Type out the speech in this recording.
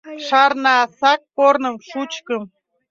Шарна: сар корным, шучкым